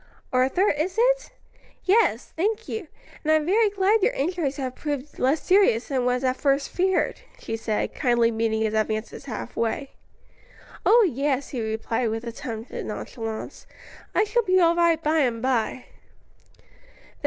"Arthur, is it? Yes; thank you: and I'm very glad your injuries have proved less serious than was at first feared," she said, kindly meeting his advances half way. "Oh yes," he replied, with attempted nonchalance, "I shall be all right by and by."